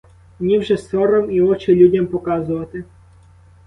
Мені вже сором і очі людям показувати.